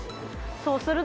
そうすると。